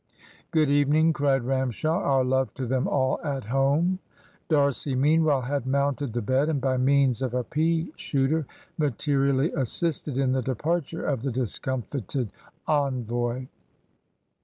"Good evening," cried Ramshaw. "Our love to them all at home." D'Arcy, meanwhile, had mounted the bed, and by means of a pea shooter materially assisted in the departure of the discomfited envoy.